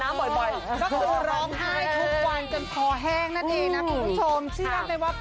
อ่ะเอามาอ่ะเอามาอ่ะเอามาอ่ะเอามาใหม่